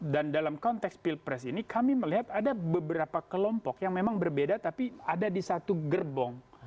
dan dalam konteks pilpres ini kami melihat ada beberapa kelompok yang memang berbeda tapi ada di satu gerbong